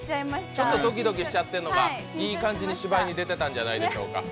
ちょっとドキドキしちゃってるのがいい感じに芝居に出てたんじゃないでしょうか。